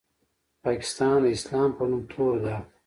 پاکستان د اسلام په نوم تور داغ دی.